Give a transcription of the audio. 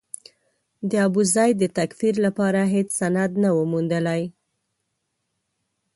د ابوزید د تکفیر لپاره هېڅ سند نه و موندلای.